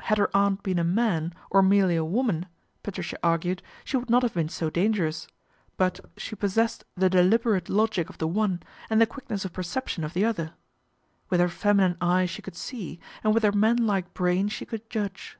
Had her aunt been a man or merely a woman, Patricia argued, she would not have been so dangerous ; but she possessed the deliberate logic of the one and the quickness of perception of the other. With her feminine eye she could see, and with her man like brain she could judge.